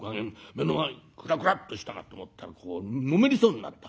目の前くらくらっとしたかと思ったらこうのめりそうになった。